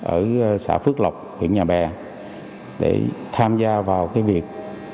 ở xã phước lộc huyện nhà bè để tham gia vào cái việc